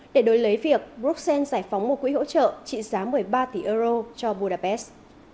để đối lấy việc bruxelles giải phóng một quỹ hỗ trợ trị giá một mươi ba tỷ euro cho budapest